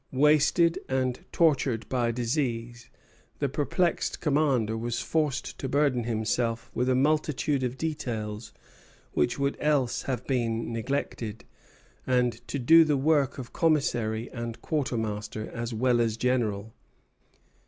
Wasted and tortured by disease, the perplexed commander was forced to burden himself with a multitude of details which would else have been neglected, and to do the work of commissary and quartermaster as well as general.